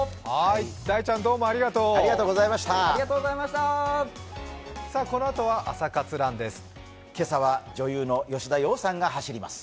大ちゃん、どうもありがとうこのあとは「朝活ＲＵＮ」です。